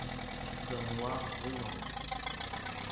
D’un noir brûlant.